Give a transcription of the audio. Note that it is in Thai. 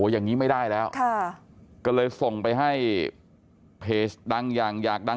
อย่างนี้ไม่ได้แล้วก็เลยส่งไปให้เพจดังอย่างอยากดัง